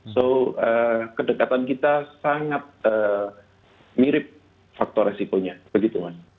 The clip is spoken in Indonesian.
so kedekatan kita sangat mirip faktor resikonya begitu mas